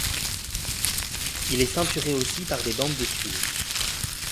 Il est ceinturé aussi par des bandes de tuiles.